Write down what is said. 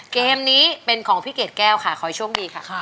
เกมนี้เป็นของพี่เกดแก้วค่ะขอให้โชคดีค่ะ